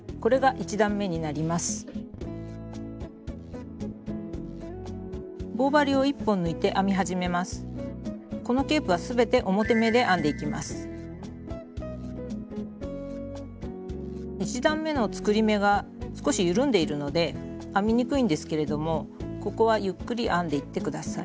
１段めの作り目が少し緩んでいるので編みにくいんですけれどもここはゆっくり編んでいって下さい。